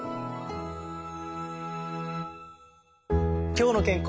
「きょうの健康」。